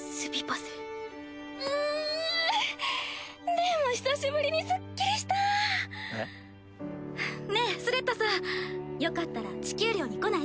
でも久しぶりにすっきりした！えっ？ねえスレッタさんよかったら地球寮に来ない？